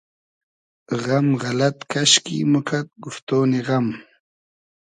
غئم غئلئد کئشکی موکئد گوفتۉنی غئم